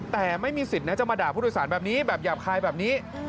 แต่ไม่มีสิทธิ์นะจะมาด่าผู้โดยสารแบบนี้แบบหยาบคายแบบนี้